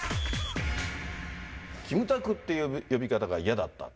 キムタクって呼び方が嫌だった？